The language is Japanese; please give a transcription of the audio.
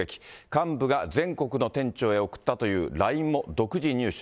幹部が全国の店長へ送ったというＬＩＮＥも独自入手。